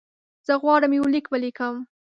زه غواړم یو لیک ولیکم.